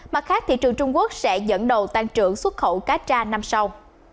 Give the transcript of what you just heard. mặt khác thị trường trung quốc sẽ dẫn đầu tăng trưởng xuất khẩu cá tra năm sau